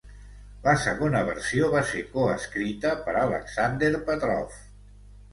La segona versió va ser coescrita per Alexander Petrov.